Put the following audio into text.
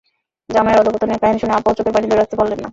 জামাইয়ের অধঃপতনের কাহিনি শুনে আব্বাও চোখের পানি ধরে রাখতে পারলেন না।